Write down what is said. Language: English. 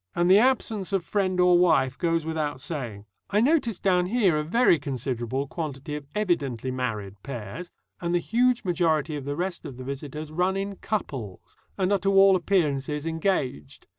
And the absence of friend or wife goes without saying. I notice down here a very considerable quantity of evidently married pairs, and the huge majority of the rest of the visitors run in couples, and are to all appearances engaged.